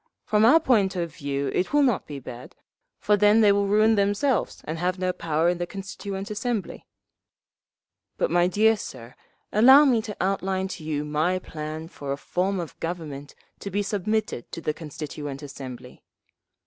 From our point of view it will not be bad, for then they will ruin themselves and have no power in the Constituent Assembly…. "But, my dear sir, allow me to outline to you my plan for a form of Government to be submitted to the Constituent Assembly.